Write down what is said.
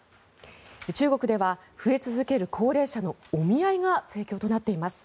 中国では増え続ける高齢者のお見合いが盛況となっています。